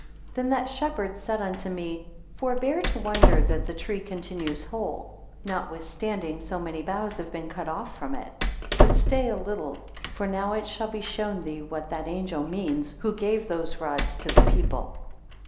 4 Then that shepherd said unto me; Forbear to wonder that the tree continues whole, not with standing so many boughs have been cut off from it: but stay a little, for now it shall be shown thee, what that angel means, who gave those rods to the people.